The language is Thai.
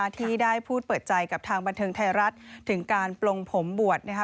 ที่ได้พูดเปิดใจกับทางบันเทิงไทยรัฐถึงการปลงผมบวช